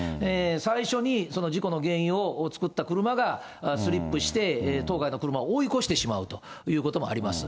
最初に事故の原因を作った車がスリップして、当該の車を追い越してしまうということもあります。